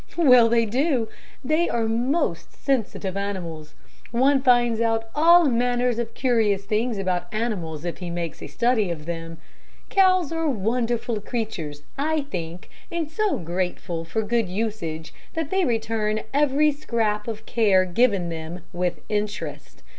"Well, they do. They are most sensitive animals. One finds out all manners of curious things about animals if he makes a study of them. Cows are wonderful creatures, I think, and so grateful for good usage that they return every scrap of care given them, with interest.